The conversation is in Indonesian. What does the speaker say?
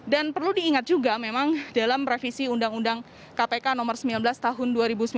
dan perlu diingat juga memang dalam revisi undang undang kpk nomor sembilan belas tahun dua ribu sembilan belas